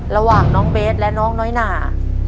ระหว่างน้องเบสและน้องน้อยหนา